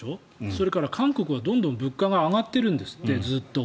それから韓国はどんどん物価が上がっているんですってずっと。